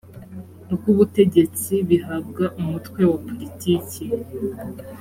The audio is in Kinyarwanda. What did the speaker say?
rw ubutegetsi bihabwa umutwe wa politiki